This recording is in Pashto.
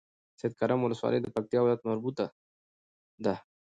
سيدکرم ولسوالۍ د پکتيا ولايت مربوطه ده